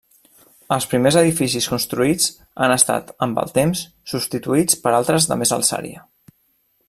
Els primers edificis construïts han estat, amb el temps, substituïts per altres de més alçària.